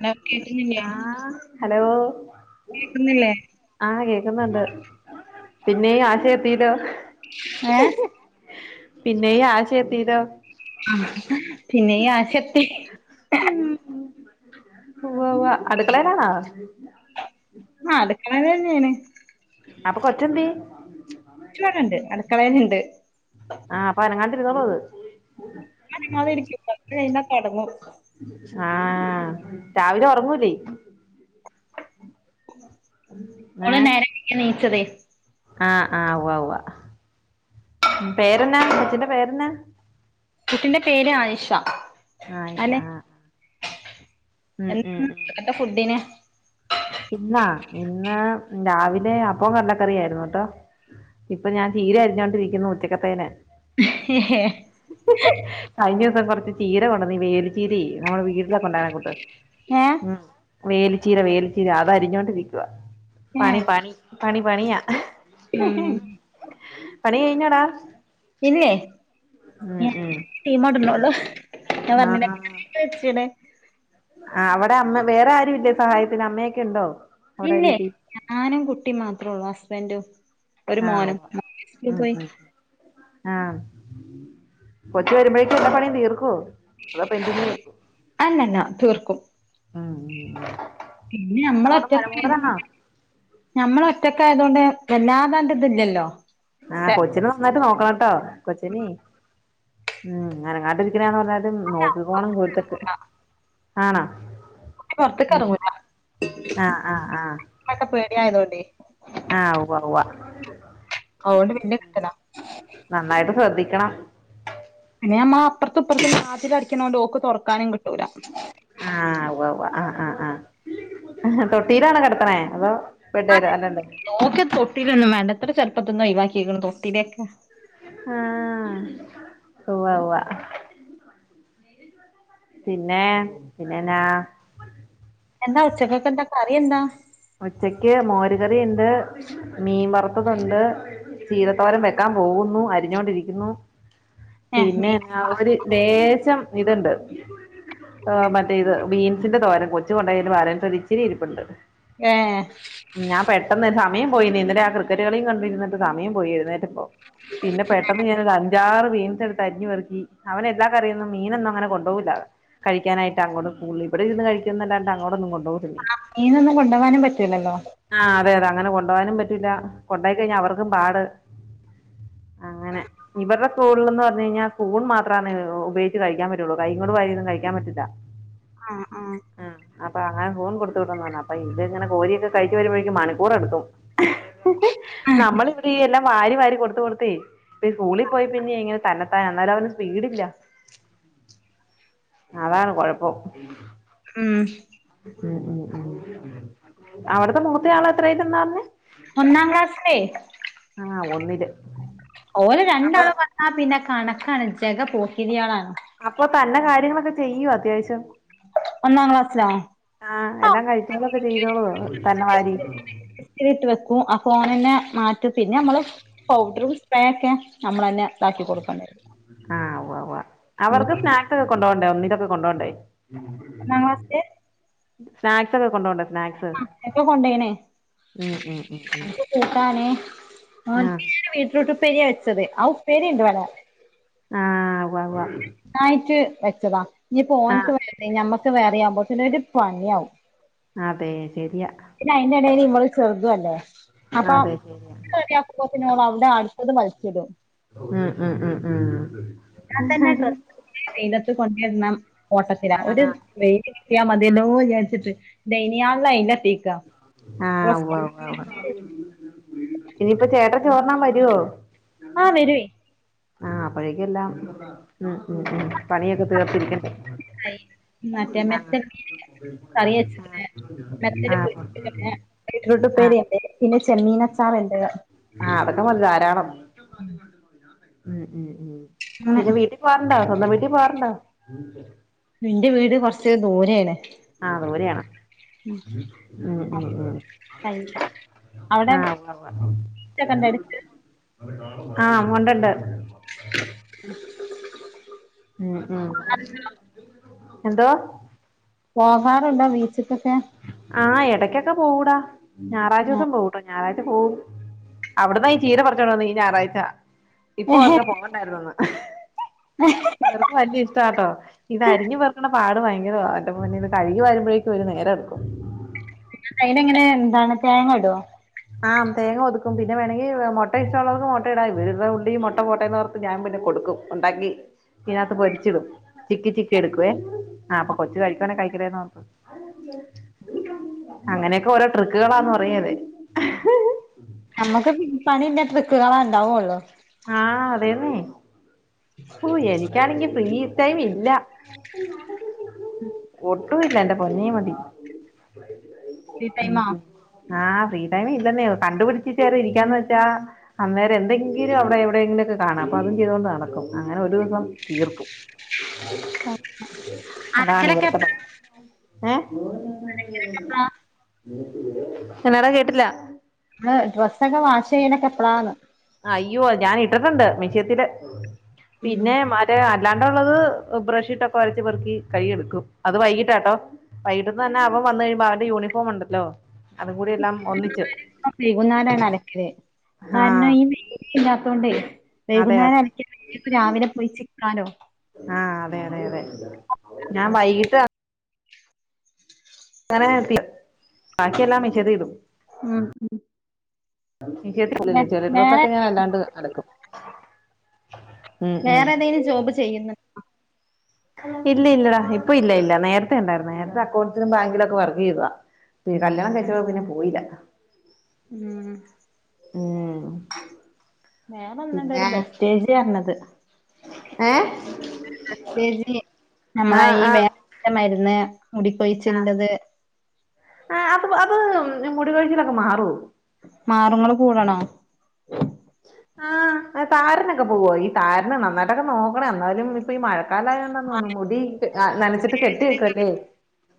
Hello കേക്കുന്നില്ലേ ആഹ് hello കേക്കുന്നില്ലേ ആഹ് കേക്ക്ന്ന്ണ്ട് പിന്നേ ആശെയെത്തീലോ ഏഹ് പിന്നെയും ആശയെത്തീലോ പിന്നെയും ആശെത്തി ഉം ഉവ്വാ ഉവ്വാ അട്ക്കളേലാണോ ആഹ് അട്ക്കളേലെന്നേണ് അപ്പം കെച്ചെന്തേ കൊച്ച് ഇവടെണ്ട് അട്ക്കളേല്ണ്ട് ആഹ് അപ്പം അനങ്ങാണ്ട് ഇരുന്നോളും അവള് അനങ്ങാതിരിക്കും കൊർച്ച് കഴിഞ്ഞാ കെടെന്നുറങ്ങും ആഹ് രാവിലെ ഒറങ്ങാേല് ഓള് നേരം വെയ്കീട്ടാ നീച്ചതേ ആഹ് ആഹ് ഉവ്വാ ഉവ്വ് പേരെന്നാ കൊച്ചിന്റെ പേരെന്നാ കുട്ടിന്റെ പേര് ആയിഷ ആയിഷ അനെ ആഹ് എ ഉം ഉം ഉം എന്താ ഫുഡ്ഡിന് ഇന്നാ ഇന്ന് രാവിലെ അപ്പോം കടലക്കറിയായ്രുന്നൂട്ടോ ഇപ്പൊ ഞാൻ ചീര അരിഞ്ഞോണ്ട്‌രിക്കുന്നു ഉച്ചക്കത്തേന് ഏഹ് കഴിഞ്ഞ ദിവസം കൊർച്ച് ചീര കൊണ്ടുവന്ന് വേലുച്ചീരെ നമ്മടെ വീട്ലൊകൊണ്ടരകൂട്ട് ഏഹ് ഉം വേല്ച്ചീര വേല്ച്ചീര അതരിഞ്ഞോണ്ടിരിക്കുവാ പണി പണി പണി പണിയാ ഉം പണി കയ്ഞ്ഞാെടാ ഇന്നേ ൻ ഉം തീമെട്ണൊള്ളൂ ഞാൻ പർഞ്ഞിലെ [unintelligible] ത്ത് വെച്ച്ണ് ആഹ് അവടെ അമ്മ വേറെ ആരും ഇല്ലെ സഹായത്തിന് അമ്മയൊക്കെ ഇണ്ടോ ഇല്ലേ ഞാനും കുട്ടിം മാത്രാെള്ളു ഹസ്ബന്റും ഒര് ആഹ് മോനും ഉവ്വ ഉം പോയ് ഉം ആഹ് കൊച്ച് വര്മ്പഴേക്കും എല്ലാ പണിയും തീർക്കോ അത് പെന്ഡിങ്ങ് വെക്കും അല്ലല്ല തീർക്കും ഉം ഉം പിന്നെ അങ്ങോട്ട് മഴ നമ്മളൊറ്റക്കെല്ലേ മൂടലാണോ [unintelligible] ഞമ്മളൊറ്റക്കായതോണ്ട് വല്ലാതാണ്ട് ഇത്‌ല്ലല്ലോ ആഹ് കൊച്ചിനെ നന്നായിട്ട് നോക്കണട്ടോ കൊച്ചിനേ ഉം അനങ്ങാണ്ട് ഇരിക്കെണാന്ന് പർഞ്ഞ ണ്ട് നോക്കി കോണം പൊര്ത്ത്ക്ക് ആണാ കുട്ടി പൊർത്ത്ക്കെർങ്ങൂല ആഹ് ആഹ് ആഹ് അത് ഒക്കെ പേട്യായതോണ്ടേ ആഹ് ഉവ്വ ഉവ്വ് ഉം അതുകൊണ്ട് വല്യ കിട്ടലാ നന്നായിട്ട് ശ്രദ്ധിക്കണം പിന്നെ ഞമ്മള് അപ്പർത്തും ഇപ്പർത്തും വാതിലടിക്കണോണ്ട് ഓക്ക് തൊറക്കാനും കിട്ടൂലാ ആഹ് ഉവ്വാ ഉവ്വാ ആഹ് ആഹ് ആഹ് തൊട്ടീലാണോ കെടെത്ത്ണേ അതോ ബെഡേലാേ അല്ലല്ല ഓക്ക് തൊട്ടീലൊന്നും വേണ്ട ത്രെ ചെർപ്പത്ത്ന്ന് ഒയ്‌വാക്കിക്ക്ണ് തൊട്ടിലെക്കെ ആഹ് ഉവ്വാ ഉവ്വാ പിന്നേ പിന്നെ എന്നാ എന്താ ഉച്ചക്കക്കെന്താ കറി എന്താ ഉച്ചയ്ക്ക് മോര് കറി ഇണ്ട് മീൻ വറ്ത്തത്ണ്ട് ചീരത്തോരം വെക്കാൻ പോകുന്നു. അരിഞ്ഞോണ്ടിരിക്കുന്നു. ഏഹ് പിന്നെ, മീൻ ആഹ് ഒരു ലേശം ഇതുണ്ട്. മറ്റേ ഇത് ബീൻസിന്റെ തോരം. കൊച്ചു കൊണ്ടെയന്റെ ബാലൻസ് ഇച്ചിരി ഇരിപ്പുണ്ട്. ഏഹ്. ഞാ പെട്ടെന്ന് സമയം പോയിന്നേ. ഇന്നലേ ആ ക്രിക്കറ്റ് കളിയും കണ്ടിരിന്നിട്ട് സമയം പോയി എഴുന്നേറ്റപ്പോ. പിന്നെ പെട്ട ന്ന് ഞാനേ ഒരു അഞ്ചാറ് ബീൻസ് എടുത്ത് അരിഞ് പെറുക്കി. അവന് എല്ലാം കറിയും മീനൊന്നും അങ്ങനെ കൊണ്ടു പോകയില്ല. കഴിക്കാനായിട്ട് അങ്ങോടു സ്കൂളില്. ഇവിടെ ഇരുന്ന് കഴിക്കുന്നുല്ലാണ്ടു അങ്ങോട് ഒന്നും കൊണ്ട് പോകത്തില്ല. മീനൊന്നും കൊണ്ടു പോകാനും പറ്റൂലല്ലോ. ആഹ് അതെ അതെ. അങ്ങന കൊണ്ടു പോകാനും പറ്റൂല്ല. കൊണ്ടുപോയി കഴിഞ്ഞാൽ അവർക്കും പാട്. അങ്ങനെ. ഇവർ സ്കൂളിൽ എന്ന് പറഞ്ഞു കഴിഞ്ഞാൽ, സ്പുൺ മാത്രണ് ഉപയോഗിച്ച് കഴിക്കാൻ പറ്റുള്ളൂ. കയ കൊണ്ട് വാരിയോന്നും കഴിക്കാൻ പറ്റില്ല. ആഹ് ആ. അ അപ്പൊ അങ്ങനെ സ്പൂൺ കൊടുത്ത വിടണോന്നറഞ്. അപ്പൊ ഇത്ങ്ങനെ കോരിയോക്കെ കഴിച്ച് വരുമ്പോഴേക്കും മണിക്കൂർ എടുക്കും. നമ്മളിവി എല്ലാം വാരി വാരി കൊടുത്ത കൊടുതെ ഇ സ്കൂളിൽ പോയി പിന്നെങ്ങനെ തന്ന എന്നാലും അവന് സ്പീഡില്ല. അതാണ് കൊഴപ്പം. ഉം. ഉം ഉം ഉം. അവിടത്തെ മൂത്തെ ആള് എത്രായിലെന്ന പറഞ്ഞെ? ഒന്നാം ക്ലാസിലെ. ആഹ് ഒന്നില്. ഓന് അപ്പൊ രണ്ടാള് വന്നാ പിന്നെ കണക്കാണ്. ജഗ പോക്കിരികളാണ്. അപ്പൊ തന്ന കാര്യങ്ങളൊക്കെ ചെയ്യോ? അത്യാവശ്യം. ഒന്നാം ക്ലാസ്സിലാ. ആഹ് എല്ലാം കഴിച്ചൊളക്കെ ചെയ്തോളോ തന്ന വാരി. [unintelligible] വെക്കും. അപ്പൊ ഓനന്നെ മാറ്റും പിന്നെ നമ്മള്, പൗഡറും സ്പ്രേ ഒക്കെ നമ്മളന്നെ ഇതാക്കി കൊടുക്കണ്ടരും. ആഹ് ഉവ്വവാ. അവർക്ക് സ്നാക്സ് ഒക്കെ കൊണ്ട് പോണ്ടേ? ഒന്നിലൊക്കെ കൊണ്ട പോണ്ടേ? [unintelligible] സ്നാക്സ് ഒക്കെ കൊണ്ടപോണ്ടണ്ടെ? സ്നാക്സ് ആഹ് [unintelligible] കൊണ്ടേയിനെ. ഉം ഉം ഉം [unintelligible] ഉം ആഹ് [unintelligible] റ്റ്റൂട്ട് ഉപേരിയ വെച്ചത്. ആ ഉപേരിണ്ട് ഇവട. ആഹ് ഉവ്വാ വ്വ. ന്നായിട്ട് വെച്ചതാ. ഇനിപോ ഓന്ക്ക് ആഹ് വേറെ, ഞമ്മക്ക് വേറെ ആവുമ്പോ ഒരു പണിയാവും. അതെ ശരിയാ. പിന്നെ അയിന്റെ എടെല് ഇവള് ചെറുതു ല്ലേ. അപ്പൊ അതെ ശരിയാ [unintelligible] [unintelligible] അവിടെ അടുത്തത് വലിച്ചിടും. ഉം ഉം ഉം ഉം. [unintelligible] ഓട്ടത്തില ഒരു ആഹ് [unintelligible] [unintelligible] ആഹ് ഡ്രസ്സ് ഉവ്വാ വ്വ. ആ ഇനിയിപ്പ ചേട്ടൻ ചോറ്ന്നാ വരുവോ? ആഹ് വരുവേ. ആഹ് അപ്പോഴേക്ക എല്ലാം ഉം ഉം ഉം പണിയൊക്കെ തീർത്തിരിക്കണ്ടെ. [unintelligible] കറി വച്ച ആഹ് [unintelligible] ആഹ് പിന്നെ ബീറ്റ്റൂട്ട് ഉപ്പേരി ആഹ് ഉണ്ട്. പിന്നെ ചെമ്മീനച്ചാർണ്ട്. ആഹ് അതൊക്കെ മതി ധാരാളം. ഉം ഉം ഉം അങ്ങനെ പിന്നെ വീട്ടിൽ പോവാറുണ്ടോ? സ്വന്തം വീട്ടിൽ പോവാറുണ്ടോ? ഇന്റെ വീട് കൊറച്ച് ദൂരേണ്. ആഹ് ദൂരെയാ. ഉം ഉം ഉം. കഴിയില്ല അവിടെ ആഹ് ആഹ് ഉവ്വാ വ്വ. ബീച്ചൊക്കെ ഉണ്ടോ അടുത്ത് ആ [unintelligible] ണ്ടുണ്ട്. ഉം ഉം എന്തോ പോഹാറുണ്ടോ ബീച്ചക്കൊക്കെ ആഹ് എടക്കൊക്കെ പോവൂടാ ഞായറാഴ്ച ദിവസം പോട്ടോ ഞായറാഴ്ച പോവും അവിടന്നാ ഈ ചീര പറച്ചോണ്ട ന്ന ഈഞായറാഴ്ച ഇപ്പൊ ഓർക്ക പൊങ്ങുണ്ടായിരുന്നന്ന് ഉം ഇവർക്ക് വലിയ ഇഷ്ടാട്ടോ ഇത് അരിഞ്ഞു പേർക്കണ പാട് ഭയങ്കര ആ പിന്നെ ഇത് കഴുകി വരുമ്പോഴേും ഒരു നേരെം എടുക്കും അയിന എങ്ങനെ എന്താണ് തേങ്ങടുോ ആഹ് തേങ്ങ ഒതുക്കും പിന്നെ വേണെങ്കി മൊട്ട ഇഷ്ടമുള്ളവർക്ക് മൊട്ട ഇടായി വീരുടെ ഉള്ളിും മൊട്ട പട്ടയുന്നവർക്ക് ഞൻ പിന്നെ കൊടുക്കും ഉണ്ടാക്കി ഇതിനത്ത് പൊരിച്ചിടും ചിക്കി ചിക്കി എടുക്കുവേ ആഹ് അപ്പ കൊച്ചു കഴിക്കോണേ കഴിക്കട്ടെന്നോർത്ത് അങ്ങനെയൊക്കെ ഓരോ ട്രിക്കുകളാന്ന് പറയത് നമ്മുക്ക് പണി ഇല്ലെ ഡ്രിക്കുകളാ ണ്ടാവുള്ളോ ആഹ് അതെന്നെ ഹോ എനിക്കാണെങ്കി പ്രീ ടൈം ഇല്ല ഒട്ടുംല്ല എന്റെ പൊന്നേ മതി ഫ്രീ മ്മ് ടൈമാ മ്മ് ആഹ് ഫ്രീ ടൈം ഇതെന്നെയോ കണ്ടുപിടിച്ചിട്ടെറി ഇരിക്കാന്ന്ച്ചാ അന്നേരെ എന്തെങ്കി തീര അവിടെ എവിടെങ്കിലൊക്കെ കാണാം അപ്പൊ അതും ചെയ്ത കൊണ്ട് നടക്കും അങ്ങനെ ഒരു വിധം തീർക്കും അലക്കലൊക്കെ അതാണവിടത്ത പ ഏഹ് എപ്പഴാ എന്നടാ കേട്ടില്ല ന്ന് ഡ്രസ്സൊക്കെ വാശ് ചെയനക്ക എപ്പളാന്ന് അയ്യോ ഞാൻ ഇട്ടിട്ടുണ്ട് മിഷയത്തില് ഉം പിന്നെ മാ മറ്റേ അല്ലാണ്ടുള്ളത് ബ്രഷീട്ടൊക്കെ വരച്ച പെറക്കി കൈെടുക്കും അത് വൈകിട്ടാട്ടോ വൈകട്ടന്ന് തന്നെ അവൻ വന്ന് കഴുമ്പോ അവന്റെ യൂണിഫോം ഉണ്ടല്ലോ അതും കൂടി ഇ എല്ലാം ഒന്നിച്ച് വൈകുന്നാലാണ് അലക്കത് കാരണം ആഹ് ഈ ഇല്ലാത്തോണ്ടേ അതെ വൈകുന്നേരം അതെ അലക്കി രാവിലെ പോയിചിക്കാലോ ആഹ് അതെ അതെ അതെ ഞാൻ വൈകിട്ട് അങ്ങനെ തി ബാക്കിയെല്ലാം മിഷതി ലിടും. ഉം എനി വേ കേട്ടല്ലല്ല ചെളി വേറെ ഡ്രസ്സൊക്കെ ഞാൻ അല്ലാണ്ട് അലക്കും ഉം ഉം വേറെ ഏതേങ്കിലും ജോബ് ചെയ്യുന്നു ഇല്ല ഇല്ലടാ ഇപ്പ ഇല്ല ഇല്ല നേരത്തണ്ടായിരുന്നു നേരത്തെ അക്ക ബാങ്കിലൊക്കെ വർക്ക് ചെയ്തതാ പി കല്യാണം അങ്ങനെ കഴിച്ച പിന്നെ പോയില്ല ഉം ഉം വേറെവന്നിണ്ട ഒരു ബസ് സ്റ്റേജ് പറഞ്ഞത് ഏഹ് പ്രത്യേജി നമ്മള ഈ വേ മരുന്ന് മുടിക്കൊഴിച്ചിണ്ടത് ആഹ് അത് അത് മുടികൊഴിച്ചിലൊക്കെ മാറോ? മാറുങ്ങള് കൂടണോ? ആഹ് താരനൊക്കെ പോവോ ഈ താരനെ നന്നായിട്ടൊക്കെ നോക്കണേ എന്നാലും ഇപ്പൊ ഈ മഴ ക്കാലായോണ്ട തോന്നുന്നു മുടി നനച്ചിട്ട് കെട്ടിയേക്കല്ല?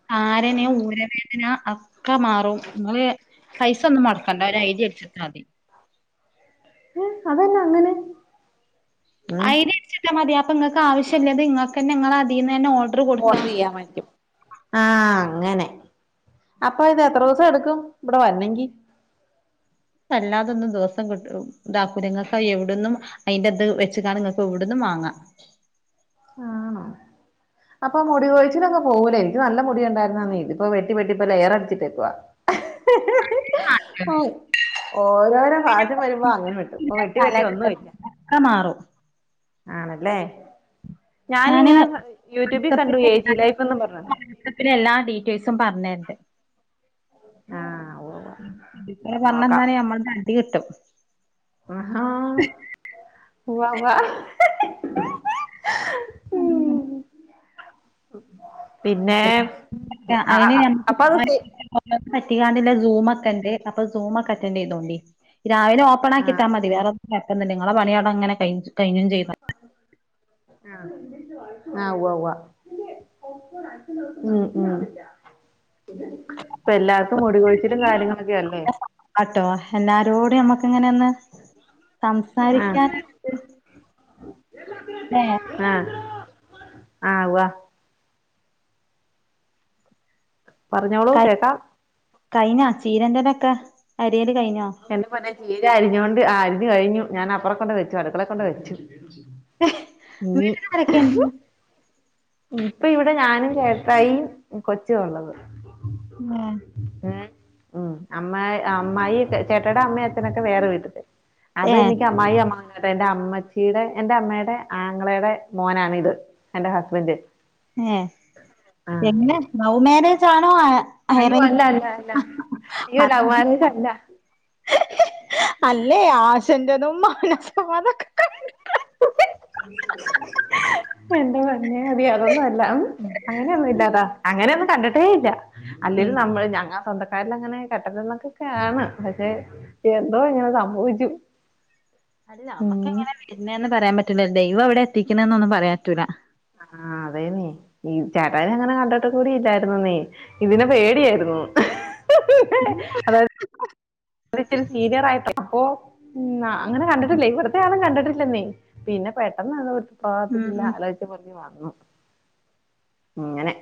താരന് ഊരവേദന ഒക്കെ മാറും നിങ്ങള് പൈസ ഒന്നും മൊടക്കണ്ട ഒരു ഐഡി അടിച്ചിട്ട മതി ഉം അതന്ന അങ്ങനെ? ഉം ഐഡ അടിച്ചിട്ടാ മതി അപ്പൊ നിങ്ങൾക്ക് ആവഷിയല്ലത് ഇങ്ങൾക്ക് തന്നെ നിങ്ങള അയിന്ന് തന്നെഓ ഓർഡർ ചെയ്യാൻ വേറ്റും ആഹ് അങ്ങനെ അപ്പൊ ഇത് എത്ര ദിവസം എടുക്കും ഇവിടെ വരെണേങ്കി വല്ലാതൊന്നും ദിവസം കിട്ട ഇതാക്കൂലങ്ങക്ക എവിടന്നും അതിന്റെ അത് വെച്ചാണ് നിങ്ങൾക്ക് ഇവിടെന്ന് വാങ്ങാം ആണോ അപ്പൊ മുടി കോഴിച്ചിലൊക്കെ പോകൂലേ എനിക്ക് നല്ല മുടിയ ഉണ്ടായിരുന്നന്ന ഇതിപ്പോ വട്ടി വെട്ടി ഇപ്പ ലയറെ അടിച്ചിട്ടേക്കവാ [unintelligible] ആഹ് ഓരോരോ ഫാഷൻ വരുമ്പോ അങ്ങനെ വെട്ടു ഇപ്പൊ വെട്ടി വെട്ടി ഒന്നും ഇല്ല അഹ് മാറും ആണല്ലേ ഞാന് ഞാനിങ്ങനെ യൂട്യൂബിൽ കണ്ടു എ ജി ലൈഫ്ന്ന് പറഞ്ഞത് ഇ പിന്നെ എല്ലാ ഡീറ്റെയിൽസും പറഞ്ഞിട്ടുണ്ട് ആഹ് ഉവ്വ ഇപ്പല പറഞ്ഞ നോക്കാം എന്താണ് നമ്മള അടി കിട്ടും ആഹ് [unintelligible] [unintelligible] അതിന് നക്ക് അപ്പൊ അത് സെ [unintelligible] [unintelligible] സൂ ഒക്കെണ്ട് അപ്പൊ സൂ ഒക്കെ അറ്റൻ ചെയ്തോണ്ടി രാവിലെ [unintelligible] ഓണാക്കിട്ടാൽ ആഹ് മതി വേറെപ്പില്ല നിങ്ങളെ പണിയട അങ്ങന ക കഴഞ്ഞും ചെയ്ത ആഹ് ആഹ് ഉവ്വവ ഉം ഉം ഇപ്പ എല്ലാർക്കും മുടികൊഴിച്ചിലും കാര്യങ്ങളൊക്കെ അല്ലേ ആട്ടോ എല്ലാരോട നമ്മക്ക് ഇങ്ങനെ ഒന്ന് ആഹ് സംസാരിക്കൻ [inaudible] [unintelligible] ആഹ് ആവോ പറഞ്ഞോളു കേക്കാ കഴിഞ്ഞാ ചീരന്റെലെക്കെ അരിയൽ കഴിഞ്ഞോ എന്റെ പൊന്നെ ചീര അരിഞ്ഞോണ്ട് ആഹ് അരിഞ്ഞു കഴിഞ്ഞു ഞാൻ അപ്പുറ കൊണ്ട് വെച്ചു അടുക്കളെ കൊണ്ട് വെച്ചു. ഇനി വീട്ടിലാരൊക്കെ ഉണ്ട് ഇപ്പ ഇവിടെ ഞാനും ചേട്ടയിയും കൊച്ചു ഉള്ളത്. ഹേ എ ഉംഅമ്മ് അമായി ചേട്ടടെ അമ്മ അച്ഛനൊക്കെ വേറെ വീട്ടില് അത് ഏ എനിക്ക് അമ്മായി അമ്മാവന് മ എന്റെ അമ്മച്ചീടെ എന്റെ അമ്മയുടെ ആങ്ങളയുടെ മോനാണ് ഇത് എന്റെ ഹസ്ബൻഡ്. ഏ ആഹ് എങ്ങനെ അങ്ങനെ ലൗ മേരെജണോ ആഹ് അയ്യോ അല്ല അല്ല അല്ല അയ്യോ ലൗ മേരെജല്ല. അല്ലേ ആശതും മനപ്പം അതൊക്കെ എന്റെ പൊന്നേ മതി അതൊന്നുമല്ലാ. അങ്ങനെയൊന്നും ഇല്ലാടാ അങ്ങനെയൊന്നും കണ്ടിട്ടേ ഇല്ല അല്ലെങ്കിൽ ഉം നമ്മള് ഞങ്ങ സ്വന്ത ക്കരിൽ അങ്ങനെ കെട്ടണക്കെയാണ് പക്ഷെ എന്തോ ഇങ്ങനെ സംഭവിച്ചു. അല്ല നമ്മക്ക് ഉം എങ്ങനെ വരുന്നന്ന് പറയാൻ പറ്റില്ല ദൈവം എവിടെ എത്തിക്കുന്നെന്നും പറയാൻ പറ്റൂല്ല. ആഹ് അതേന്നേ ഈ ചേട്ടായെ അങ്ങനെ കണ്ടിട്ട് കൂടി ഇല്ലായിരുന്നുന്നേ. ഇതിനെ പേടിയായിരുന്നു അതായത് [inaudible] അ ഇച്ചരി സീനിയർ ആയിട്ട അപ്പൊ അങ്ങനെ കണ്ടിട്ടില്ലേ വെറത ആളും കണ്ടിട്ടില്ലെന്നേ പിന്നെ പെട്ടെന്നന്നും ഉം പോകത്തില്ല ഉം ആലോചി പല്ലി വാർന്നു ഇങ്ങനെ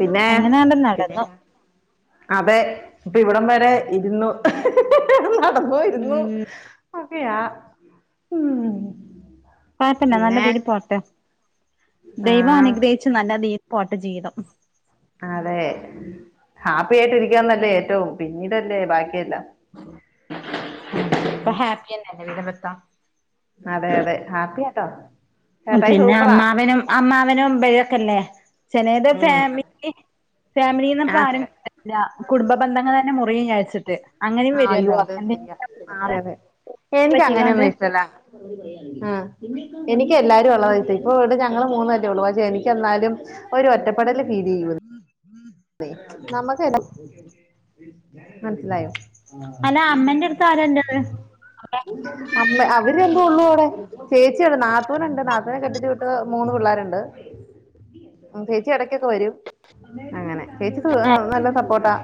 പിന്നെ അങ്ങനെയാണ്ട് നടന്നു പിന്നന്നാ അതെ ഇപ്പ ഇവിടം വരെ ഇരുന്നു നടന്നും ഇരുന്നും ഉം അതെയാ ഉം കുഴപ്പില്ല പിന്നെ നല്ലതീൽ പോട്ടെ ആ ദൈവം അനുഗ്രഹിച്ച് നല്ല തീൽ പോട്ടെ ജീവിതം. അതെ ഹാപ്പി ആയിട്ട് ഇരിക്കാന്നല്ലേ ഏറ്റവും പിന്നീടല്ലേ ബാക്കിയെല്ലാം അപ്പ ഉം. ഹാപ്പിയല്ലെ ജീവിതം മൊത്തം അതെ അതെ ഹാപ്പിയാട്ടോ. ഉം പിന്നെ അമ്മാവനും അമ്മാവനും [unintelligible] ഒക്കെല്ലേ ചെലേത് ഉം അതെ ഫാമിലി ഫാമിലീന്ന് ആ ചേ പ്പാരും [unintelligible] കുടുംബ ബന്ധങ്ങളന്നെ മുറിയും വിചാരിച്ചിട്ട് അങ്ങനെയും വരൊല്ലോ എന്തെ [unintelligible] ആഹ് അതെ അതെ. എനിക്കങ്ങനെയൊന്നും ഇഷ്ടല്ല ആഹ് എനിക്ക് എല്ലാരും ഉള്ളതാ ഇഷ്ടം. ഇപ്പൊ ഇവിട് ഞങ്ങള് മൂന്നു അല്ലേ ഒള്ളു. പക്ഷെ എനിക്കെന്നാലും ഒരു ഒറ്റപ്പെടല് ഫീലെയ്യൂ ന്നേ. നമ്മക്കന്നേ മനസിലായോ അല്ല അമ്മെന്റെട്ത്ത് ആരാ ഇല്ലത് അവ്ടെ അമ്മ അവര് രണ്ടു ഉള്ളൂ അവ്ടെ ചേച്ചി [unintelligible] നാത്തൂനുണ്ട് നാത്തൂനെ കെട്ടിച്ച്‌വിട്ട് മൂന്ന് പിള്ളേര്ണ്ട്. ഉം ചേച്ചി എടക്കൊക്കെ വരും അങ്ങനെ ചേച്ചി സു ആഹ് നല്ല സപ്പോർട്ടാ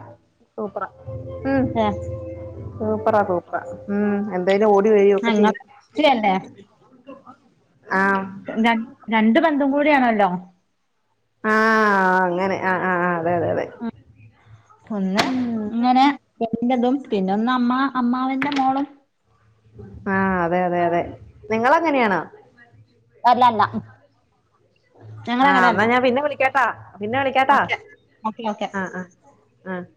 സൂപ്പറാ ഉം ഏഹ് സൂപ്പറാ സൂപ്പറാ ഉം എന്തായാലും ഓടി വരൊക്കെ ചെയ്യും. ഞങ്ങല്ലേ ആഹ് ര രണ്ട് ബന്ധും കൂടിയാണല്ലോ ആഹ് അങ്ങനെ ആഹ് ആഹ് അ ഒന്ന് ഇങ്ങനെ [unintelligible] അതും പിന്നെ ഒന്ന് അമ്മ അമ്മാവന്റെ മോളും ആഹ് അതെ അതെ അതെ. നിങ്ങളങ്ങനെയാണോ? അല്ലല്ല ആഹ് ന്നാ ഞാൻ പിന്നെ വിളിക്കാട്ടാ പിന്നെ വിളിക്കാട്ടാ ഓക്കെ ഓക്കെ ഓക്കെ ആഹ് ആഹ് ആഹ്